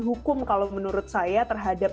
hukum kalau menurut saya terhadap